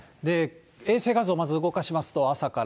衛星画像をまず動かしますと、朝から。